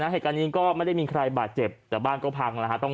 เหตุการณ์นี้ก็ไม่ได้มีใครบาดเจ็บแต่บ้านก็พังแล้วฮะ